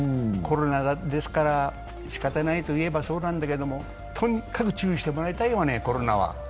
コロナですからしかたないと言えばそうなんですけれどもとにかく注意してもらいたいわね、コロナは。